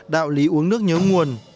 đạo lý uống nước nhớ nguồn